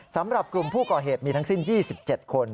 สำหรับกลุ่มผู้ก่อเหตุมีทั้งสิ้น๒๗คน